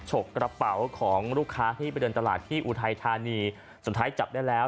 ฉกกระเป๋าของลูกค้าที่ไปเดินตลาดที่อุทัยธานีสุดท้ายจับได้แล้ว